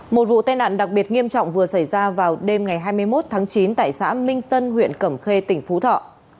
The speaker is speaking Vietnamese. một vụ tai nạn đặc biệt nghiêm trọng vừa xảy ra vào đêm ngày hai mươi một tháng chín tại xã minh tân huyện cẩm khê tỉnh phú thọ